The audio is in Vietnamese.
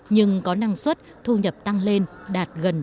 nhưng có năng suất thu nhập tăng lên đạt gần tám mươi